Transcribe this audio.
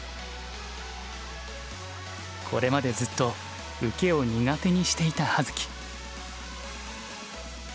これまでずっと受けを苦手にしていた葉月。